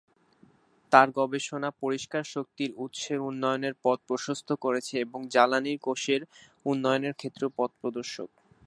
তার গবেষণা পরিষ্কার শক্তির উৎসের উন্নয়নের পথ প্রশস্ত করেছে এবং জ্বালানী কোষের উন্নয়নের ক্ষেত্রেও পথপ্রদর্শক।